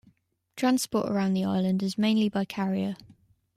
Transport around the island is mainly by carrier.